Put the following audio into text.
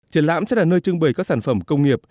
triển lãm sẽ là nơi trưng bày các sản phẩm công nghiệp